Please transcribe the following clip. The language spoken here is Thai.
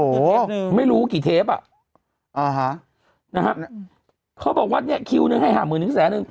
อีกเทปนึงไม่รู้กี่เทปอ่ะอ่าฮะนะฮะเขาบอกว่าเนี่ยคิวหนึ่งให้ห้าหมื่นถึงแสนนึง